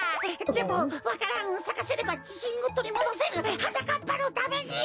でもわか蘭をさかせればじしんをとりもどせるはなかっぱのために！